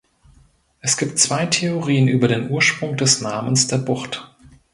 Es gibt zwei Theorien über den Ursprung des Namens der Bucht.